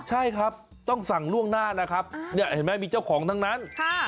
ใช่ครับต้องสั่งล่วงหน้านะครับมีเจ้าของทั้งนั้น